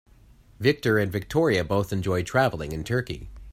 Victor and Victoria both enjoy traveling in Turkey.